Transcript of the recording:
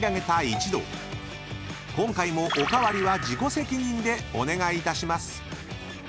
［今回もおかわりは自己責任でお願いいたします］